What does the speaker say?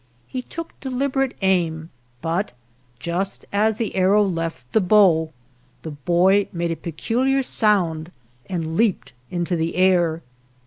He took delib erate aim, but just as the arrow left the bow the boy made a peculiar sound and leaped into the air.